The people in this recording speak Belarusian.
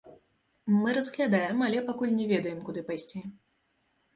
Мы разглядаем, але пакуль не ведаем, куды пайсці.